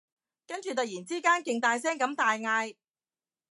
跟住突然之間勁大聲咁大嗌